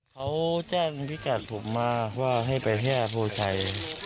เขาแจ้งพิกัดผมมากว่าให้ไปห้าพ่อชัย